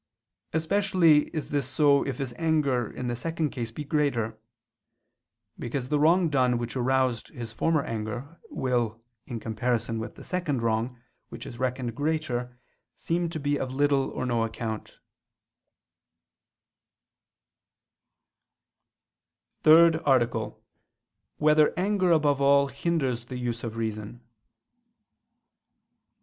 Especially is this so if his anger in the second case be greater: because the wrong done which aroused his former anger, will, in comparison with the second wrong, which is reckoned greater, seem to be of little or no account. ________________________ THIRD ARTICLE [I II, Q. 48, Art. 3] Whether Anger Above All Hinders the Use of Reason?